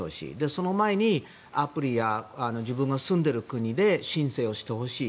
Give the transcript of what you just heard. その前にアプリや自分の住んでいる国で申請をしてほしい。